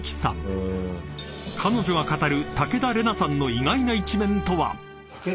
［彼女が語る］